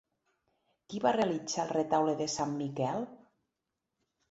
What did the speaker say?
Qui va realitzar el Retaule de Sant Miquel?